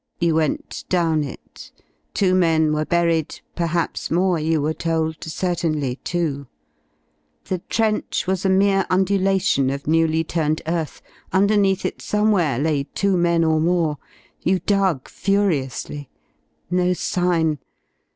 You went down it; two men were buried, perhaps more you were told, certainly two. The trench was a mere undulation of newly turned earth, under it somewhere lay^_^ two men or more. You dug furiously. No sign.